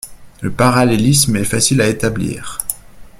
Le parallélisme est facile à établir.